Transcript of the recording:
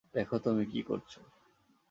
দেখো তুমি কী করছ!